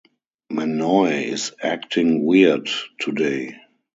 Manoj is acting weird today.